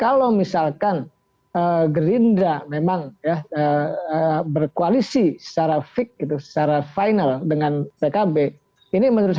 atau yang di luar kader partai bang saiful uda